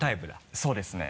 そうですね。